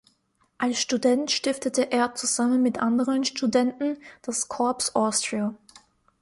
Als Student stiftete er zusammen mit anderen Studenten das Corps Austria.